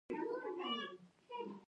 بزګران خپلو محصولاتو ته بازار غواړي